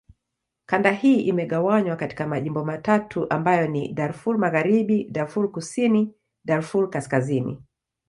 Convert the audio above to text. Kanda hii imegawanywa katika majimbo matatu ambayo ni: Darfur Magharibi, Darfur Kusini, Darfur Kaskazini.